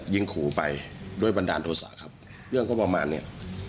ยิงขู่ไปโดยบันดาลโทษะครับเรื่องก็ประมาณนี้